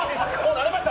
慣れました？